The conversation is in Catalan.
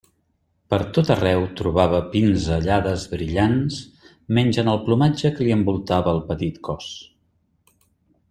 Per tot arreu trobava pinzellades brillants menys en el plomatge que li envoltava el petit cos.